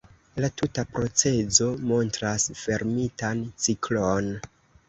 La tuta procezo montras fermitan ciklon.